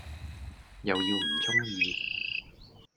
又要唔鐘意